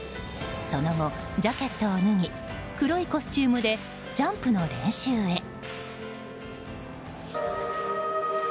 その後ジャケットを脱ぎ黒いコスチュームでジャンプの練習へ。